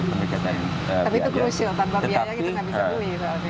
tapi itu krusial tanpa biaya kita nggak bisa beli